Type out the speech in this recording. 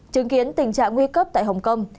chứng kiến tình trạng nguy cấp tại hồng kông